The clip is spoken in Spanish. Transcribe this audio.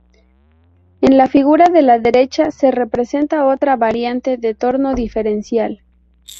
En la figura de la derecha se representa otra variante de torno diferencial.